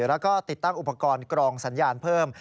แล้วก็ติดตั้งอุปกรณ์กรองสัญญาณเพิ่ม